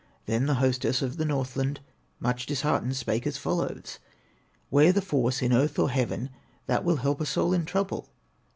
Then the hostess of the Northland, Much disheartened, spake as follows: "Where the force, in earth or heaven, That will help a soul in trouble?"